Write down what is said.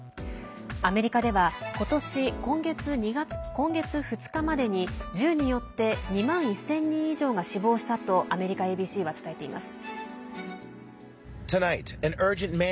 アメリカでは今年今月２日までに銃によって２万１０００人以上が死亡したとアメリカＡＢＣは伝えています。